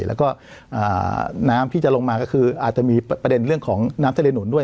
แล้วก็น้ำที่จะลงมาก็คืออาจจะมีประเด็นเรื่องของน้ำทะเลหนุนด้วย